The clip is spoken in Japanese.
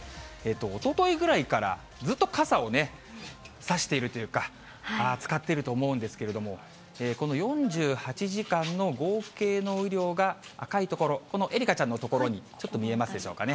おとといぐらいから、ずっと傘をね、差しているというか、使っていると思うんですけれども、この４８時間の合計の雨量が赤い所、この愛花ちゃんの所に、ちょっと見えますでしょうかね。